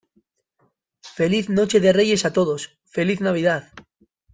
feliz noche de Reyes a todos. feliz Navidad .